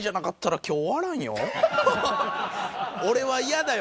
俺は嫌だよ。